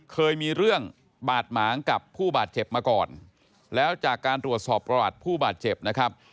เคยมีเรื่องบาดหมางกับผู้บาดเจ็บมาก่อนแล้วจากการตรวจสอบประวัติผู้บาดเจ็บนะครับ